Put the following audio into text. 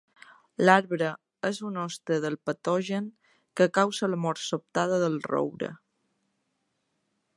L'arbre és un hoste del patogen que causa la mort sobtada del roure.